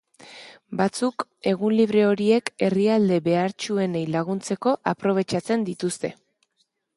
Batzuk egun libre horiek herrialde behartsuenei laguntzeko aprobetxatzen dituzte.